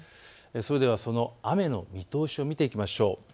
それでは雨の見通しを見ていきましょう。